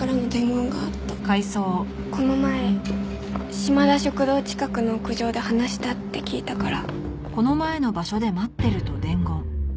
この前しまだ食堂近くの屋上で話したって聞いたから。